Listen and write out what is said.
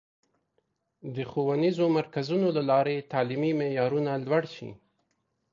د ښوونیزو مرکزونو له لارې تعلیمي معیارونه لوړ شي.